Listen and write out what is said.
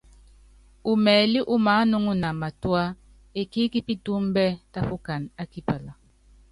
Umɛlí umaánuŋuna matúá, ekííkí pitúúmbɛ tápukana á kipala.